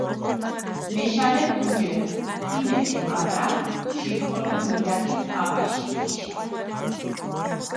მეშარექ დუჯერუ, ქიმეჩჷ ფარა დო ჟირხოლოქ მიდართეს პაპაში თიშა.